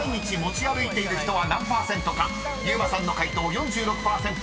［ゆうまさんの解答４６％。